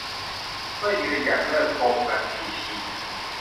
เมื่อยืนหยัดเลิกพรมกันถี่ถี่